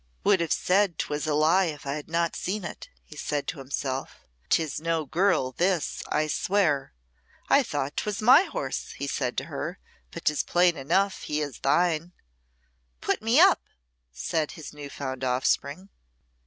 "Would have said 'twas a lie if I had not seen it," he said to himself. "'Tis no girl this, I swear. I thought 'twas my horse," he said to her, "but 'tis plain enough he is thine." "Put me up!" said his new found offspring.